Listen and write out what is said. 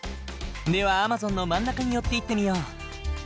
ではアマゾンの真ん中に寄っていってみよう。